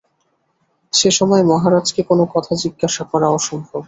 সে-সময়ে মহারাজকে কোনো কথা জিজ্ঞাসা করা অসম্ভব।